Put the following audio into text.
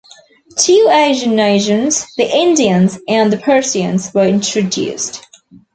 Two Asian nations, the Indians and the Persians, were introduced.